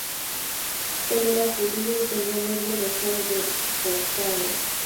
Él era judío y tenía medio de ser deportado.